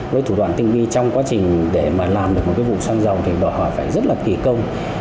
với thủ đoạn tình nghi trong quá trình để mà làm được một cái vụ xăng dầu thì họ phải rất là kỳ công